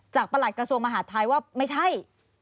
ประหลัดกระทรวงมหาดไทยว่าไม่ใช่